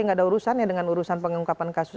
tidak ada urusannya dengan urusan pengungkapan kasus